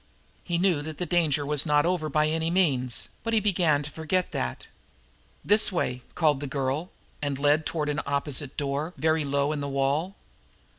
He knew that the danger was not over by any means, but he began to forget that. "This way!" called the girl and led toward an opposite door, very low in the wall.